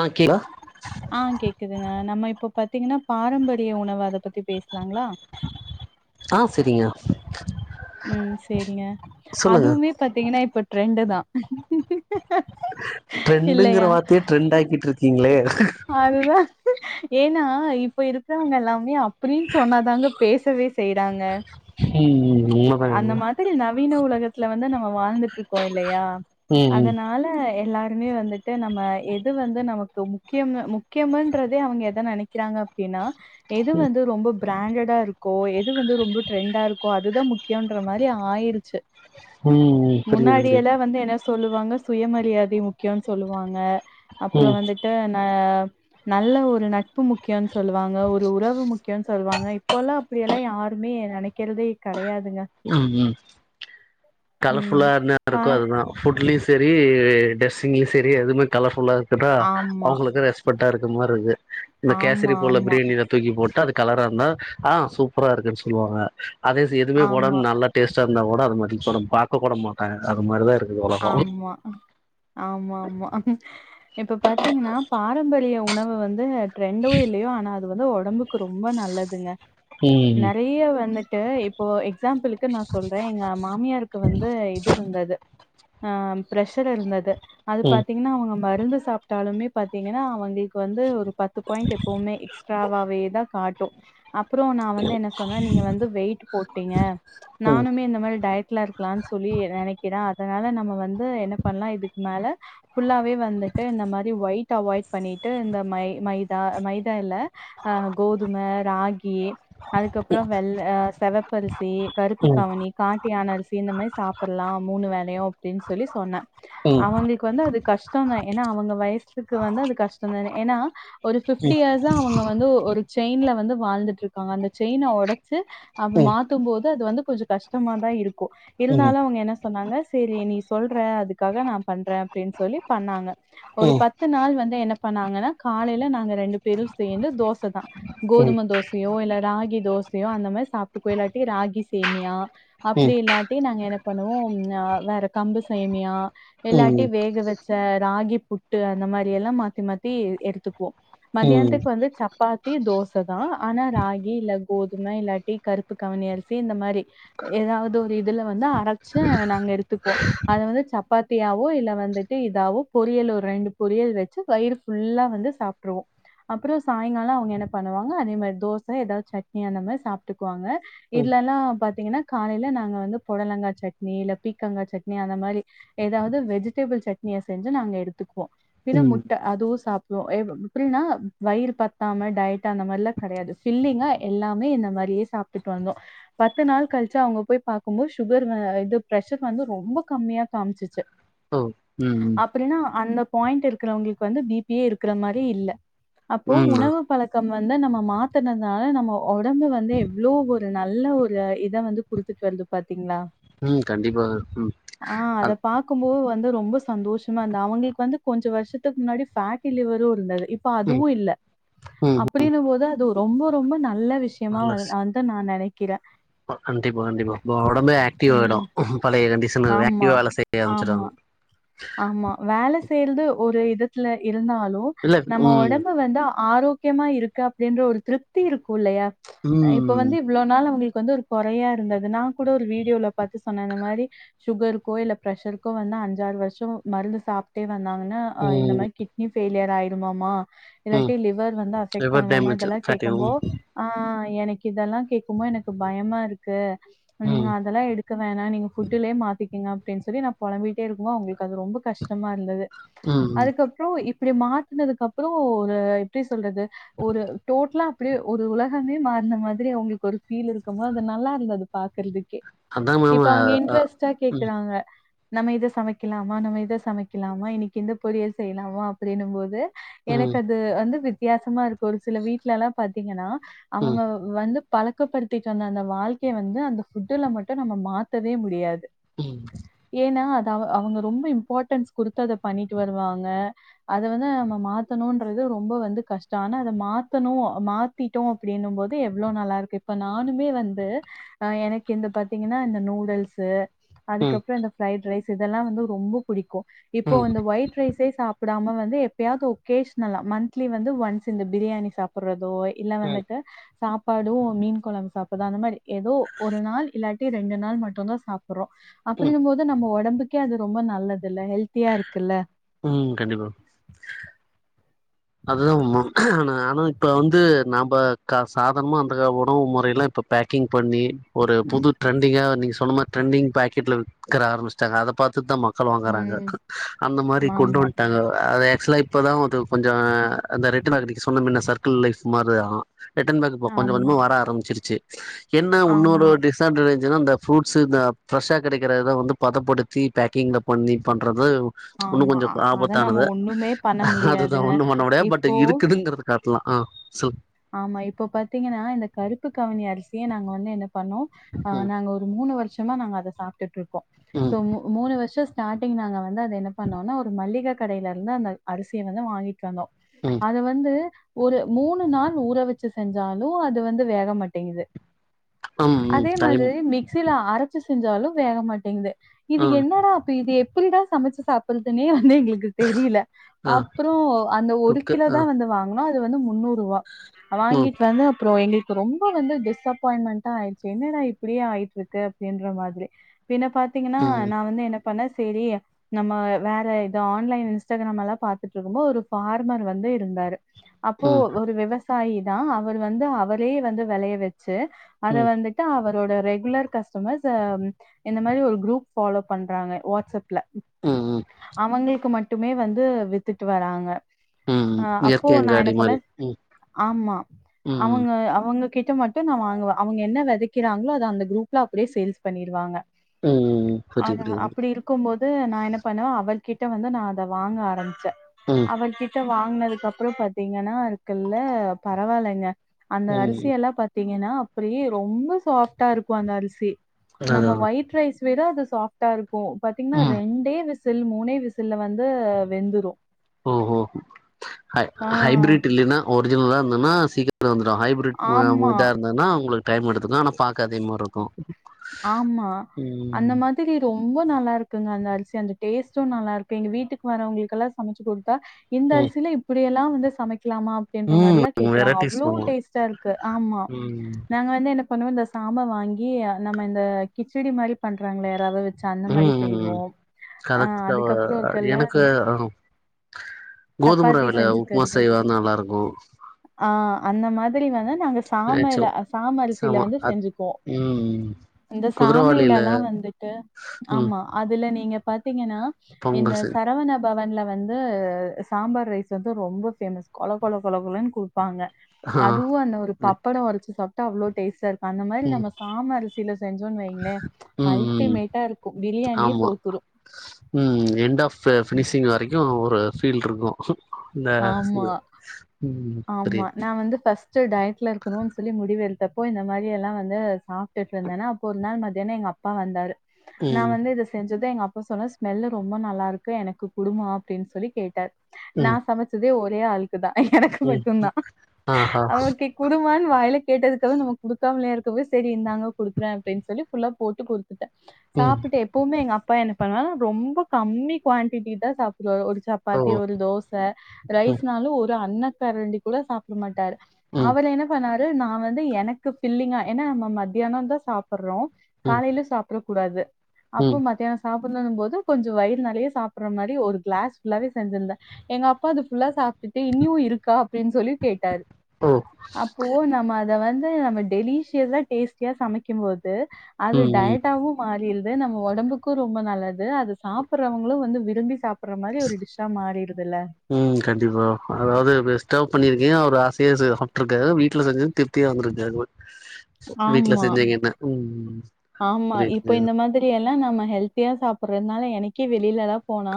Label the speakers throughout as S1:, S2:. S1: ஆ கேளா
S2: ஆ கேக்குதுங்க நம்ம இப்போ பாத்தீங்கன்னா பாரம்பரிய உணவு அத பத்தி பேசலாங்களா
S1: [inaudible] சரிங்க
S2: ம் சேரிங்க
S1: சொல்லுங்க
S2: அதுவுமே பாத்தீங்கன்னா இப்ப ட்ரெண்டு தா
S1: ட்ரெண்டுங்கிற வார்த்தையே ட்ரெண்ட் ஆக்கிட்ருக்கீங்களே
S2: அதுதா ஏன்னா இப்ப இருக்கிறவங்க எல்லாமே அப்பிடின்னு சொன்னாதாங்க பேசவே செய்றாங்க
S1: ம் ம் ம் உங்க [unintelligible]
S2: எப்டி நவீன உலகத்துல வந்து நம்ம வாழ்ந்துட்ருக்கோ இல்லயா
S1: ம் ம்
S2: அதனால னால எல்லாருமே வந்துட்டு நம்ம எது வந்து நமக்கும் முக்கியம் முக்கியம்ன்றதே அவங்க எத நெனைக்கிறாங்க அப்பிடின்னா எது வந்து ரொம்ப பிராண்டடா இருக்கோ எது வந்து ரொம்ப ட்ரெண்டா இருக்கோ அதுதா முக்கியோன்ற மாரி ஆயிருச்சி
S1: ம் ம் புரியுது
S2: முன்னாடி
S1: புரியுது
S2: எல்லா வந்து என்ன சொல்லுவாங்க சுயமரியாதை முக்கியம்னு சொல்லுவாங்க அப்புற
S1: ம்
S2: வந்துட்டு ஆ நல்ல ஒரு நட்பு முக்கியம்ன்னு சொல்லுவாங்க ஒரு உறவு முக்கியம்னு சொல்லுவாங்க இப்போ எல்லா இப்டியெல்லா யாருமே நெனைக்கிறதே கெடையாதுங்க
S1: ம் ம் கலர்
S2: ம்.
S1: ஃபுல்லா என்னா
S2: பா
S1: இருக்கே அதுதா ஃபுட்லேயூ செரி டிரெஸ்ஸிங்லியூ செரி எதுவ்வுமே கலர் ஃபுல்லா இருக்கற்த்தாந்
S2: ஆமா,
S1: அவங்களுக்கு ரெஸ் பக்டா இருக்குர மாரீ இருக்கு இந்த
S2: ஆமா,
S1: கேசரி போல
S2: ஆமா,
S1: பிரியாணில தூக்கி போட்டா அது கலராருந்தா ஆ சூப்பரா இருக்குன்னு சொல்லுவாங்க அதே எதுமே
S2: ஆமா,
S1: போடாம நல்லா டேஸ்ட்டா இருந்தா கூட அத மதிக் கூட பாக்க கூட மாட்டாங்க அது மாிதா இருக்
S2: ஆம்மா ஆமாம்மா இப்ப பாத்தீங்கன்னா பாரம்பரிய உணவு வந்து ரெண்டோ இல்லயோ ஆனா அது வந்து ஒடம்புக்கு ரொம்ப நல்லதுங்க
S1: ம்
S2: நெறய வந்துட்டு இப்போ எக்ஸாம்பிள் க்கு நா சொல்றே எங்க மாமியாருக்கு வந்து இது இருந்தது ஆ ப்ரஷர் இருந்தது அது
S1: ம்
S2: பாத்திங் இன்னோ அவுங்க மருந்து சாப்டாலுமே பாத்தீங்கன்னா அவங்களுக்கு வந்து ஒரு பத்து பாயிண்ட் எப்பவுபோமே எக்ஸ்ட்ராவாவேதா காட்டூ அப்றோ நா வந்து என்ன சொன்னே நீங்க வந்து வெயிட் போட்டீங்க
S1: ம்
S2: நானுமே இந்த மாரி டயட்ல இரு க்கலான் சொல்லி நெனக்கிறே அதனால நம்ம வந்து என்ன பண்லா இதுக் மேல ஃபுல்லாவே வந்துட்டு இந்த மாரி ஒயிட் அவாய்ட் பண்ணிட்டு இந்த மை மைதா மைதா இல்ல அ கோதும ராகி அதுக்கப்றோ வெள் அ செவப்பரிசி கருப்பு
S1: ம்
S2: கவனி காட்டு யான அரிசி இந்த மாரி சாப்ட்லா மூணு வேலயூ அப்டின் சொல்லி சொன்னே
S1: ம்
S2: அவங்க
S1: ம்
S2: வந்து கு வந்து அது கஷ்டந்தெ ஏனா அவங்க வயசுக்கு வந்து அது கஷ்டந்தெ ஏனா ஒரு பிஃப்டி இயர்ஸ் இதா அவுங்க வந்து ஒரு செயின்ல வந்து வாழ்ந்துட்ருக்காங்க அந்த செயின ஒடச்சி
S1: ம்
S2: அப்பி மாத்தெபோது அது வந்து கொஞ்சோ கஷ்டமாதா இருக்கூ
S1: ம் ம்
S2: இருந்தாலு அவங்க என்ன சொன்னாங்க சேரி நீ சொல்ற அதுக்காக நா பண்றே அப்டின்னு சொல்லி பண்ணாங்க ஒரு
S1: ம்
S2: பத்து நாள் வந்து என்ன பண்ணாங்னா காலயில நாங்க ரெண்டு பேரூ சேர்ந்து தோசதா
S1: ம்
S2: கோதும தோசயோ இல்ல ராகி தோசயோ அந்த மாரி சாப்ட்டு போயிட்லாண்டி ராகி சேமியா
S1: ம்
S2: அப்டி இல்லாட்டி நாங்க என்ன பண்ணுவோ அ வேற கம்பு சேமியா இல்லாட்டி
S1: ம்
S2: வேக வச்ச ராகி புட்டு அந்த மாரி எல்லா மாத்தி மாத்தி எடுத்துக்வோ
S1: ம் ம்
S2: மதியானத்துக்கு வந்து சப்பாத்தி தோச தா ஆனா ராகி இல்ல கோதும இல்லாட் இ கருப்பு கவூனி அரிசி இந்த மாரி ஏதாவது ஒரு இதுல வந்து அரச்சு நாங்க எடுத்துப்போ அது வந்து சப்பாத்தியாவோ இல்ல வந்துட்டு இதாவோ பொரியல் ஒரு ரெண்டு பொரியல் வச்சு வயிறு ஃபுல்லா வந்து சாப்ட்ருவோ அப்றோ சாய்ங்காலோ அவங்க என்ன பண்ணுவாங்க அதே மாரி தோச ஏதாவது சட்னி அந்த மாரி சாப்ட்டுக்குவாங்க இல்லனா பாத்தீங்கன்னா காலயில நாங்க வந்து பொடலங்கா சட்னி இல்ல பீக் கங்கா சட்னி அந்த மாரி ஏதாவது வெஜிடபிள் சட்னியா செஞ்சு நாங்க எடுத்துக்குவோ பின்ன முட்ட அதுவூ சாப்டுவோ எம் எப்டினா வயிறு பத்தாம டயட் அந்த மாறில்லா கெடயாது ஃபில்லிங்கா எல்லாமே இந்த மாரியே சாப்ட்டுட்டு வந்தோ பத்து நாள் கழிச்சா அவங்க போய் பாக்கூபோது சுகர் அ இது ப்ர ஷர் வந்து ரொம்ப கம்மியா காமிச்சுச்சு
S1: ம் ம்
S2: அப்டினா அந்த பாயிண்ட் இருக்றவங்களுக்கு வந்து பி பி ஏ இருக்கிற மாரி இல்ல அப்போ
S1: ம்
S2: உணவு பழக் கம் வந்து நம்ம மாத்னதுனால நம்ம ஒடம்பு வந்து எவ்ளோ ஒரு நல்ல ஒரு இத வந்து குடுத்துட் வந்து பாத்தீங்ளா
S1: ம் கண்டிப்பாக ம்
S2: ஆ அத
S1: அது
S2: பாக்கும்போ வந்து ரொம்ப சந்தோஷமா இருந்த அவங்க இப்ப வந்து கொஞ்சோ வருஷத்துக் முன்னாடி ஃபேட் கிள்ளி வரு வது இந்தா அது இப் பா
S1: ம்
S2: அதுவு இல்ல
S1: ம்
S2: அப்டினு போது அது ரொம்ப ரொம்ப நல்ல விஷயமா
S1: நல்ல ஸ்
S2: அ து நா நெனைக்கிறே
S1: [unintelligible] [unintelligible] [unintelligible] ஒடம்பே ஆக்டிவ் ஆடு
S2: ம்.
S1: பழய கண்டிஷனு
S2: ஆமா.
S1: ஆக்டிவா வேல செய்ய
S2: ஆமா.
S1: ஆரமிச்சுருவாங்
S2: ஆமா வேல செய்றது ஒரு இதத்துல இருந்தாலு
S1: இல்ல
S2: நம்ம
S1: ம்
S2: ஒடம்பு வந்து ஆரோ க்கியமா இருக்கு அப்டின்ற ஒரு திருப்தி இருக்கு இல்லையா இப்ப
S1: ம்
S2: வந்து இவ்ளோ நாள் அவங்களுக்கு வந்து ஒரு கொறையா இருந்தது நா கூட ஒரு வீடியோல பாத்து சொன்னே அந்த மாரி சுகருக்கோ இல்ல பிரஷருக்கோ வந்தா அஞ்சாரு வரு ஷோ மருந்து சாப்ட்டே வந்தாங்கன்னா அ இந்த
S1: ம்
S2: மாரி கிட்னி ஃபெயிலியராயிடுமாமா
S1: ம்
S2: இல்லாட்டி லிவர் வந்து அபெக்ட்
S1: லிவர்
S2: பண்ணுவமோ
S1: டேமேஜ்
S2: இதெல்லா
S1: ஃபேட்டி ம்
S2: கேக்கம்போ ஆ எனக்கு இதெல்லா கேக்கமோ எனக்கு பயமாருக்கு நீங்க
S1: ம்
S2: அதெல்லா எடுத் க்கு வேணா நீங்க ஃபுட்டுலே மாத்திக்கங்க அப்டின் சொல்லி நா பொளம்பிட்டேருக்குமோ அவுங்களுக்கு அது ரொம்ப கஷ்டமாருந்தது
S1: ம்
S2: அதுக்கப்றோ இப்டி மாத்தினதுக்கு அப்றோ ஒரு எப்டி சொல்றது ஒரு டோட்டலா அப்டியே ஒரு உலகமே மாறன மாதிரி அவுங்குளுக்கு ஒரு ஃபீல் இருக்குபோது அது நல்லாருந்தது பாக்குறதுக்கே
S1: அதா மேம்
S2: இப்ப
S1: அ
S2: அவுங்க இன்ட்ரெஸ்ட்டா
S1: ம்
S2: கேக்குறாங்க நம்ம இத சமைக்கலாமா நம்ம இத சமைக்கலாமா இன்னிக்கு இந்த பொரியல் செய்லாமா அப்டின்னும்போது
S1: ம்
S2: எனக்கது வந்து வித்தியாசமாருக்கு ஒரு சில வீட்லல்லா பாத்தீங்கன்னா
S1: ம் ம்
S2: அவங்க வந்து பழக்கப்படுத்திட்டு வந்த அந்த வாழ்க்கைய வந்து அந்த ஃபுட்டுல மட்டு நம்ம மாத்தவே முடியாது
S1: ம்
S2: து ஏன்னா அத அவ அவங்க ரொம்ப இம்பார்ட்டன்ஸ் குடுத்து அத பண்ணிட்டு வருவாங்க அத வந்து நம்ம மாத்தணுன்றது ரொம்ப வந்து கஷ்டோ ஆனா அத மாத்தணு மாத் திடோ அப்டின்னுபோது எவ்ளோ நல்லாருக்கு இப்ப நானுமே வந்து ஆ எனக்கு இந்த பாத்தீங்கன்னா இந்த நூடுல்ஸு
S1: ம்
S2: அதுக்கப்றோ இந்த ஃப்ரைட் ரைஸ் இதெல்லா வந்து ரொம்ப புடிக்கு இப்போ
S1: ம்
S2: அந்த ஒயிட் ரைஸே சாப் பிடாம வந்து எப்பயாது ஒகேஷ்னலா மந்த்லி வந்து ஒன்ஸ் இந்த பிரியாணி சாப் பறதோ இல்ல வந்துட்டு சாப்பாடு மீன் கொழம்பு சாப்பிட்ற அந்த மாரி எதோ ஒரு நாள் இல்லாட்டி ரெண்டு நாள் மட்டுதா சாப் பறோ
S1: ம்
S2: அப்டின்னுபோது நம்ம ஒடம்புக்கே அது ரொம்ப நல்லதுல்ல ஹெல்த்தியாருக்குல்ல
S1: ம் கண்டிப்பா அதுதா [unintelligible] நானு இப்ப வந்து நம்ப கா சாதாரனமா அந்த உணவு முறையெல்லா இப்ப பேக்கிங் பண்ணி ஒரு புது ட்ரெண்டிங்கா நீங்க சொன்ன மாரி டிரரெண்டிங் பாக்கெட்ல விக்ற ஆரம்பிச்சட்டாங்க அத பாத்துதா ம க்கள் வாங்கறாங்க
S2: ம்.
S1: அந்த மாரி கொண்டு
S2: ஆமா,
S1: வன்ட்டாங்க அது எக்சல இப்பதா அது கொஞ் சோ அந்த ரிட்டனாகுது நீங்க சொன்ன மின்ன சர்க்கிள் லைஃப் மாரிதா ரிட்டன் பேக் இப்போ கொஞ்சோ
S2: ஆமா,
S1: கொஞ்சமா வர ஆரம்பிச்சிருச்சு என்ன உன்னொரு
S2: ஆமா,
S1: டிஸ் அட்வாடேஞ்சினா இந்த ஃப்ரூட்ஸு இந்த ஃப்ரஷ்ஷா கெடைக்கிறத வந்து பதப்படுத்தி பேக்கிங்ல பண்ணி பண்றத உன்னு
S2: ஆமா.
S1: கொஞ்சோ
S2: அ அத நம்ம
S1: ஆபத்தானது
S2: ஒண்ணுமே பண்ண
S1: அதுதா
S2: முடியாதுங்க.
S1: ஒண்ணு பண்ண முடியாது பட்
S2: இப்போ
S1: இருக்குதுங்கற காட்லா ஆ சில்
S2: ஆமா இப்போ பாத்தீங்கன்னா இந்த கருப்பு கவுனி அரிசிய நாங்க வந்து என்ன பண்ணோ ஆ
S1: ம்
S2: நாங்க ஒரு மூணு வருஷமா நாங்க அத சாப்ட்டுட்டுருக்கோ
S1: ம்
S2: சோ மூ மூணு வருஷத் ஸ்டார்டிங் நாங்க வந்து அத என்ன பண்ணோம்னா ஒரு மள்ளிக கடைலர்ந்து அந்த அரிசிய வந்து வாங்கி ட்வந்தோ
S1: ம்
S2: அது வந்து ஒரு மூணு நாள் ஊற வச்சு செஞ்சாலு அது வந்து வேக மாட்டேங்கிது
S1: ம் ம்
S2: அதே
S1: டைம்
S2: மாதிரி மிக் சில அரச்சு செஞ்சாலு வேக மாட்டேங்குது இது
S1: ஆ
S2: என்னடா அப்பி இது எப்டிடா சமச்சு சாப்டுறதுனே வந்து எங்கேளுக்கு தெரியல
S1: ஆ
S2: அப்பறோ அந்த ஒரு
S1: குக்கு
S2: கிலோ
S1: ஆ
S2: தா வந்து வாங் குனோ அது வந்து முன்னூர்ரூவா
S1: ம்
S2: வாங்கிட்டு வந்து அப்றோ எங்கிள்க் ரொம்ப வந்து டிஸ்ப்பாயின்மெண்ட்டா ஆயிடுச்சு என்னடா இப்டியே ஆயிட்டுருக்கு அப்டின்ற மாதிரி பின்ன பாத்தீங்கனா
S1: ம்
S2: நா வந்து என்ன பண்ணே செரி நம்ம வேற இத ஆன்லைன் இன்ஸ்டாகிராமல்லா பாத்துட்டுருக்ம்போ ஒரு ஃபார்மரு வந்து இருந்தாரு அப்போ
S1: ம்
S2: ஒரு விவசாயிதா அவர் வந்து அவரே வந்து வெளய வச்சு அத
S1: ம்
S2: வந்துட் ட்டு அவரோட ரெகுலர் கஸ்டமர்ஸ் அ இந்த மாதிரி ஒரு குரூப் ஃபாலோ பண்றாங்க வாட்ஸ்அப்ல
S1: ம் ம்
S2: அவங்களுக் மட்டுமே வந்து வித்துட்டு வராங்க
S1: ம் ம்
S2: ஆ அப்போ
S1: இயற்கை
S2: நா என்ன
S1: அங்காடி
S2: பண்ணே
S1: மாரி ம்
S2: ஆமா
S1: ம்
S2: அவுங்க அவங்கக்கி கிட்ட மட்டு நா வாங்குவே அவுங்க என்ன விதக்கிறாங்களோ அத அந்த குரூப்ல அப்டியே சேல்ஸ் பண்ணிருவாங்க
S1: ம் புரிது
S2: அதா
S1: புரியுது
S2: அப்டிருக் ருக்கும்போது நா என்ன பண்ணுவ அவர்கிட்ட வந்து நா அத வாங்க ஆரம்பிச்சே
S1: ம்
S2: அவர்கிட் கிட்ட வாங்கினதுக்கப்றோ பாத்தீங்கனா இருக்குல்ல பரவால்லங்க அந்த
S1: ம்
S2: அரிசியெல்லா பாத் தீங்கனா அப்டியே ரொம்ப சாப்டாருக்கு அந்த அரிசி
S1: அதா
S2: நம்ம ஒயிட் ரைஸ் வேதா இது சாஃப்டா இருக்கு பாத்தீங்கன்னா
S1: ம்
S2: ரெண்டே விசில் மூனே விசில்ல வந்து வெந்துரு
S1: ஓ ஓ ஹை ஹைபெரேட்டு இல்லைனா ஒரிஜினலா இருந்தன்னா சீக்கரத்துல வெந்துரு ஹைபெ ட்
S2: ஆமா,
S1: இதா இருந்ததுன்னா உங்களுக்கு டைம் எடுத்துக்கு ஆனா பாக்க அதே மாரி இருக்கு
S2: ஆமா அந்த
S1: ம்
S2: மாதி ரி ரொம்ப நல்லா இருக்குங்க அந்த அரிசி அந்த டேஸ்ட்டு நல்லா இருக்கு எங்க வீட்டுக்கு வர்றவங்களுக்கல்லா சமைச்சு குடுத்தா இந்த அரிசியில இப்படியெல்லா வந்து சமைக்கலாமா கேக்கற மாரி
S1: ம்
S2: எல்லா
S1: ம்
S2: கேக்குறாங்க
S1: வெரைட்டிஸ்
S2: அவ்ளோ
S1: பண்ணுவோ
S2: டேஸ்ட்டா இருக்கு ஆமா
S1: ம்
S2: நாங்க வந்து என்னப் பண்ணுவோ இந்த சாம்ப வாங்கி நம்ம இந்த கிச்சடி மாரி பண்றாங்களா யாராவது ச்சு அந்த மாரி
S1: ம் ம்
S2: செய்வோ ஆ
S1: கதக்தவ
S2: அதுக்கப்பற இருக்கல்ல
S1: கோது ரவைல உப்புமா செய்வா நல்லா இருக்கு
S2: ஆ அந்த மாதிரி வந்து நாங்க சாமைல சாம அரிசில வந்து செஞ்சுப்போ
S1: ம் ம்
S2: இந்த
S1: குதிரவாளில
S2: சாமையிலல்லா வந்துட்டு
S1: ம்
S2: ஆமா அதுல நீங்க பாத்தீங்கன்னா இந்த
S1: பொங்கல் செஞ்
S2: சரவணப் பவன்ல வந்து சாம்பார் ரைஸ் வந்து ரொம்ப பேமஸ் கொல கொல கொலன்னு குடு ப்பாங்க
S1: ஆ
S2: அதுவு அந்த ஒரு
S1: ம்
S2: பப்படம் வரச்சு சாப்ட்டா அவ்ளோ டேஸ்ட்டா இருக்கு அந்த மாரி
S1: ம்
S2: நம்ம சாம அரிசி சில செஞ்சோன்னு வைங்ளே
S1: ம்
S2: அல்டிமேட்டா இருக்கு பிரியாணியே
S1: ஆமா
S2: தோத்துரு
S1: ம் எண்ட் ஆஃப்ப பினிஷிங் வரைக்கு ஒரு ஃபீல் இருக்கு இந்த
S2: ஆமா.
S1: ம்
S2: ஆமா
S1: புரியுது
S2: நா வந்து ஃபர்ஸ்ட் ஃபட்ஸ்டு டயட்ல இருக்கணு சொல்லி முடி எடுத்தப்போ இந்த மாரி எல்லா வந்து சாப்ட் இருந்தேனா அப்போ ஒருநாள் மத்தியான எங் அப் பா வந்தாரு நா
S1: ம்
S2: வந்து இத செஞ்சது எங்க அப்பா சொன்ன ஸ்மெல்லு ரொம்ப நல்லா இருக்கு எனக்கு குடுமா அப்டின்னு சொல்லி கேட்டார் நா
S1: ம்
S2: சமச் சது ஒரே ஆளுக்கு தா எனக்கு
S1: ம்
S2: மட்டுந்தா
S1: ஆஹா
S2: அவகேக் குடுமான்னு வாயலைல கேட்டதுக்காக நம்ம குடுக்காமலையா இருக்கவே செரி இந்தாங்க குடுக்குறே அப்டின்னு சொல்லி ஃபுல்லா போட்டு குடு த்டே
S1: ம்
S2: சாப்ட்டு எப் எப்போமே எங்க அப்பா என்ன பண்ணுவாங்க ரொம்ப கம்மி குவாண்டட்டி தா சாப்டுவாரு ஒரு
S1: ஓ
S2: சப்பாத்தி ஒரு தோஸ் ச
S1: ம்
S2: ரைஸ்னாலு ஒரு அன்ன கரண்டி கூட சாப்ட மாட்டாரு
S1: ம்
S2: அவரு என்ன ன பண்ணாரு நா வந்து எனக்கு ஃபில்லிங்கா ஏனா நம்ம மத்தியானந்தா சாப்டுறோ
S1: ம்
S2: காலையிலு சாப்றப் கூடாது அப்போ
S1: ம்
S2: மத்தியான சாப்டனு போது கொஞ்சோ வயிறு நெறையா சாப்டற மாரி ஒரு கிளஸ் ஃபுல்லாவே செஞ்சிருந்தே எங்க அப்பா அது ஃபுல்லா சாப்ட்டுட்டு இன்னியு இருக் கா அப்டின்னு சொல்லி கேட்டாரு
S1: ஓ
S2: அப்போ நம்ம அத வந்து நம்ம டெலிசியஸா டேஸ்ட் கிய சமைக்கும் போது அது
S1: ம் ம்
S2: டயட்டாவு மாறிர் து நம்ம ஒடம்புக்கு ரொம்ப நல்லது அத சாப்புட்றவங்களு வந்து விரும்பி சாப் சாப்புற்ற மாரி ஒரு டிஸ்சா மாறிடுதுல்ல
S1: ம் கண்டிப்பா மேடம் அதாவது பெஸ்டா பண்ணியிருக்கிங்க அவர் ஆசைய செய்றது சாப்ட்ருக்காரு வீட்டுல செஞ்சது திருப்தியா வந்துருக்காரு வீட்ல
S2: ஆமா,
S1: செஞ்சிகன்னா ம் ம்
S2: ஆமா இப்போ இந்த மாதிரி எல்லா நம்ம ஹெல்த்தியா சாப்புட்றதுனால எனக்கே வெளியிலெல்லா போனா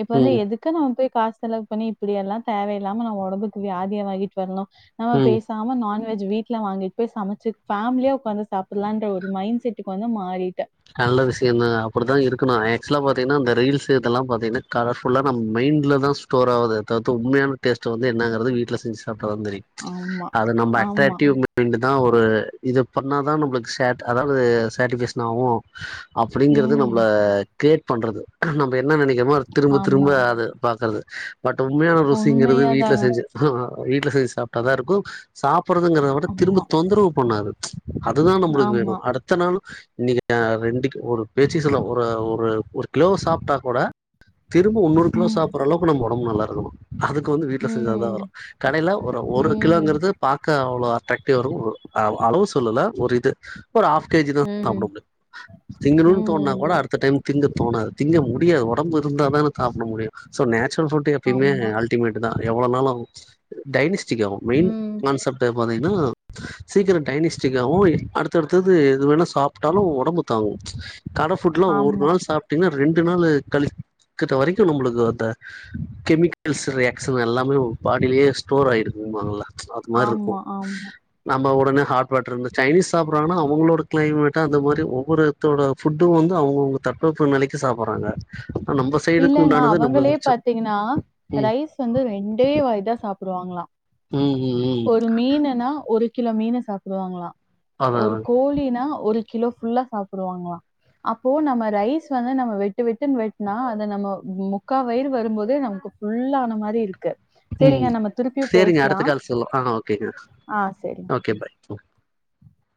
S2: இப்ப வந்து
S1: ம்
S2: எதுக்கு க்கு நம்ம போய் காசு செலவு பண்ணி இப்புடியெல்லா தேவையில்லாம நம்ம ஒடம்புக்கு வியாதிய வாங்கிட்டு வர்ணு நம்ம
S1: ம்
S2: பேசி சாம நான்வெஜ் வீ்ட்ல வாங்கிட் போய் சமைச்சு ஃபேமிலியா உக்காந்து சாப்புட்லான்ற ஒரு மைண்ட செட் இப்ப வந்து மாறிட்டே
S1: நல்ல விஷயந்தா அப்புடிதா இருக்கணு ஆக்சுவலா பாத்தீங்கன்னா அந்த ரீல்ஸு இதெல்லா பாத்தீங்கன்னா கலர் ஃபுல்லா நம்ம மைண்ட்ல தா ஸ்டோர் ஆவுதே தவுத்து உண்மையான டேஸ்ட வந்து என்னங்கறது வீட்ல செஞ்சு சாப்ட்டதா தெரியும்
S2: ஆமா.
S1: அது நம்ம
S2: ஆமா.
S1: அட்ராக்டிவ் உம் அப்டின்றதுதா ஒரு இத பண்ணாதா நம்மளுக்கு சாட் அதாவது சாட்டிபைஷன் ஆவு அப்டிங்கிறது
S2: ம்.
S1: நம்மள கிரியேட் பண்றது நம்ம என்ன நெனக்கிறோமோ அத திரும்ப திரும்ப
S2: ஆமா.
S1: அது பாக்குறது பட் உண்மையான ருசிங்கிறது வீட்ல
S2: உண்மையாதாங்க.
S1: செஞ்சு வீட்ல செஞ்சு சாப்ட்டாதா இருக்கு சாப்புட்றதுங்கிறத விட திரும்ப
S2: ஆமா,
S1: தொந்தரவு பண்ணாது அதுதா நம்மளுக்கு வேணு
S2: ஆமா.
S1: அடுத்த நாளு இன்னைக்கு ஏ ரெண்டுக்கு ஒரு பேச்சுக்கு சொல்றே ஒரு ஒரு ஒரு கிலோவ சாப்ட்டா கூட திரும்ப ஒன்னொரு கிலோ
S2: ம்.
S1: சாப்புட்ற அளவுக்கு நம்ம ஒடம்பு நல்லா இருக்கணு அதுக்கு வந்து வீட்ல செஞ்சனாலதா வரு
S2: ம்.
S1: கடையில ஒரு ஒரு
S2: ம்.
S1: கிலோங்கிறது பாக்க அவ்ளோ அட்ராக்டிவ் இருக்கு அளவு சொல்லல ஒரு இது ஒரு ஆஃப் கேஜி தா சாப்ட
S2: ம்.
S1: முடியு திங்கனுன் தோண்ணா கூட
S2: ம்.
S1: அடுத் அடுத்த டைம் திங்க தோணாது திங்க முடியாது ஒடம்பு இருந்தா தானே சாப்ட முடியும் சோ நேச்சுரல் ஃபுட்டு எப்பையுமே
S2: ஆமா.
S1: அல்டிமேட்டு தா எவ்ளோ நாளு டைனிஸ்டிங் ஆகு மெயின்
S2: ம்.
S1: கான்செப்ட் ட்ட பாத்தீங்கன்னா சீக்கிரோ டைனிஸ்டிங்காவு எ அடுத் அடுத்தது எதுவேணா சாப்ட்டாலு ஒட ஒடம்பு தாங்கு கடை ஃபுட்லா ஒரு
S2: ஆமா,
S1: நாள் சாப் டிங்னா ரெண்டு நாளு கழிக்குற வரைக்கு நம்மளுக்கு அந்த கெமிக்கல்ஸ் ரியாக்ஷன் எல்லாமே நம்ம ஃபாடிலேயே ஸ்டோர் ஆயிருக்கும்பாங்கல்ல அது மார்ருக்கு
S2: ஆமா, ஆமா.
S1: நம்ம உடனே ஹாட் வாட்டர் இருந்து சைனீஸ் சாப்புட்றாங்கனா அவுங்களோட க்ளைமேட் அந்த மாரி ஒரு ஒர்த்தரோட ஃபுட்டு வந்து அவுங்கவுங்க தட்ப வெப்ப நிலைக்கு சாப்புட்றாங்க
S2: இல்லங்க அவங்களே
S1: ச
S2: பார்த்தீங்கன்னா
S1: ம்
S2: ரைஸ் க்கு வந்து ரெண்டே வாய்தா சாப்டுவாங்களா
S1: ம் ம் ம்
S2: ஒரு மீனுன்னா ஒரு கிலோ மீன சாப்டுவாங்களா
S1: அதா
S2: ஒரு
S1: அதா
S2: கோழினா ஒரு கிலோ ஃபுல்லா சாப்புடுவாங்களா அப்போ நம்ம ரைஸ் வந்து நம்ம வெட்டு வெட்டுன் வெட்னா இந்த நம்ம முக்கா வயிறு வரும்போதே நமக்கு ஃபுல்லான மாரி இருக்கு
S1: ம்
S2: சரிங்க நம்ம திருப்பியும்
S1: செரிங்க அடுத்த
S2: பேசலாம்.
S1: கால் சொல்லலா ஆ ஆ ஓகேங்க
S2: ஆ சரி
S1: ஓகே ஃபாய்